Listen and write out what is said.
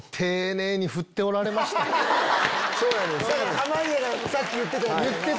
濱家がさっき言ってた。